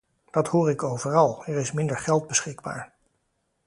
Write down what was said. Dat hoor ik overal, er is minder geld beschikbaar.